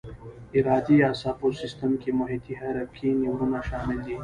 ارادي اعصابو سیستم کې محیطي حرکي نیورونونه شامل دي.